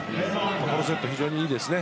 このセットも非常にいいですね。